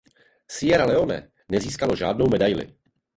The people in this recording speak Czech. Sierra Leone nezískalo žádnou medaili.